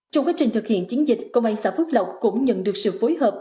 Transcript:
trong quá trình thực hiện chiến dịch công an xã phước lộc cũng nhận được sự phối hợp